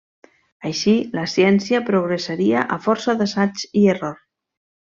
Així, la ciència progressaria a força d'assaig i error.